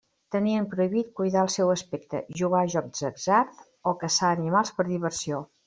Tenien prohibit cuidar el seu aspecte, jugar a jocs d'atzar o caçar animals per diversió.